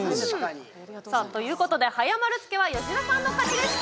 ということで「早丸つけ」は吉田さんの勝ちでした！